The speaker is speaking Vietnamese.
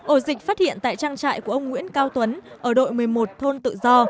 ổ dịch phát hiện tại trang trại của ông nguyễn cao tuấn ở đội một mươi một thôn tự do